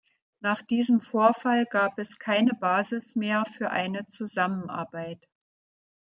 Nach diesem Vorfall gab es keine Basis mehr für eine Zusammenarbeit.